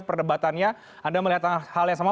perdebatannya anda melihat hal yang sama